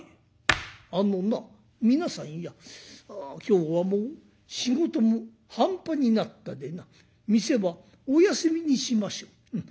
「あのな皆さんや今日はもう仕事も半端になったでな店はお休みにしましょう。